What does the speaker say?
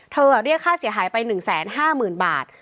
เรียกค่าเสียหายไป๑๕๐๐๐บาท